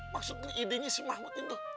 maksudnya idenya si mahmud itu